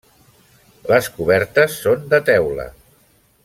Les cobertes són de teula.